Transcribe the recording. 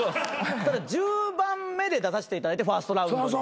ただ１０番目で出させていただいてファーストラウンドに。